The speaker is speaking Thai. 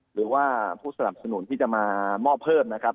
หรือว่าผู้สนับสนุนที่จะมามอบเพิ่มนะครับ